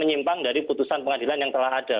menyimpang dari putusan pengadilan yang telah ada